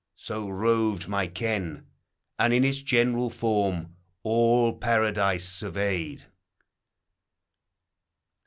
So roved my ken, and in its general form All Paradise surveyed.